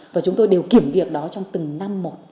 và chúng tôi đều kiểm việc đó trong từng năm một